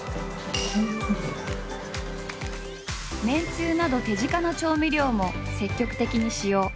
めんつゆなど手近な調味料も積極的に使用。